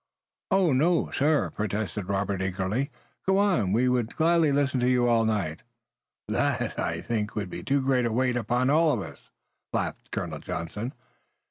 "Oh, no, sir!" protested Robert eagerly. "Go on! We would gladly listen to you all night." "That I think would be too great a weight upon us all," laughed Colonel Johnson.